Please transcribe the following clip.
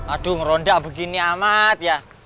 aduh ngeronda begini amat ya